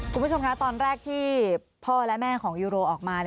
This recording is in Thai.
คุณผู้ชมคะตอนแรกที่พ่อและแม่ของยูโรออกมา